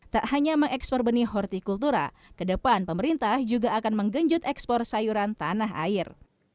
tak hanya mengekspor benih hortikultura ke depan pemerintah juga akan menggenjut ekspor sayuran tanah air